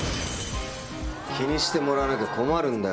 気にしてもらわなきゃ困るんだよ